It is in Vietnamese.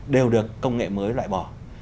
đều được công nghệ mới loại bỏ